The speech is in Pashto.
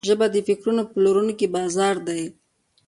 ژبه د فکرونو پلورونکی بازار ده